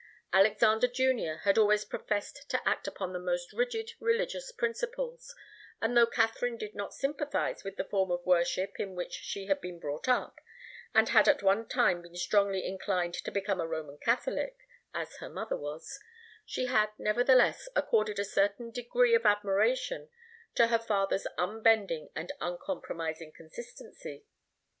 Alexander Junior had always professed to act upon the most rigid religious principles, and though Katharine did not sympathize with the form of worship in which she had been brought up, and had at one time been strongly inclined to become a Roman Catholic, as her mother was, she had, nevertheless, accorded a certain degree of admiration to her father's unbending and uncompromising consistency.